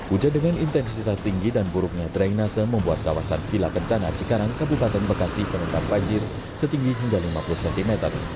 hujan dengan intensitas tinggi dan buruknya drainase membuat kawasan vila kencana cikarang kabupaten bekasi terendam banjir setinggi hingga lima puluh cm